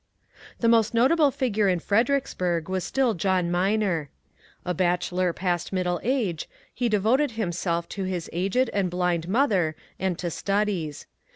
The most notable figure in Fredericksburg was still John Minor. A bachelor past middle age, he devoted himself to his aged and blind mother and to studies.